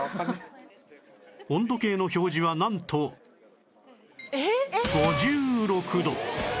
温度計の表示はなんと５６度